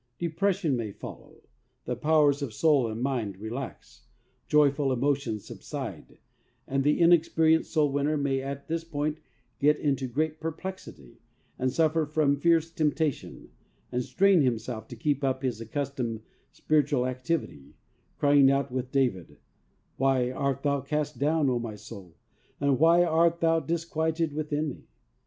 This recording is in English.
Depression may follow, the powers of soul and mind relax, joyful emotions subside, and the inexperienced soul winner may at this point get into great perplexity, and suffer from fierce tempta tion, and strain himself to keep up his accustomed spiritual activity, crying out with David, "Why art thou cast down, O my soul, and why art thou disquieted with in me?"